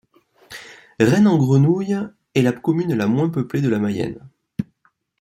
Rennes-en-Grenouilles est la commune la moins peuplée de la Mayenne.